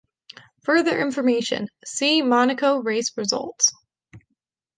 "Further information, see Monaco race results"